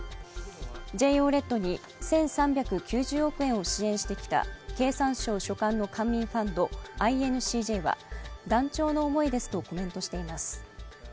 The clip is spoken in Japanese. ＪＯＬＥＤに１３９０億円を支援してきた経産省所管の官民ファンドＩＮＣＪは断腸の思いですとコメントしています。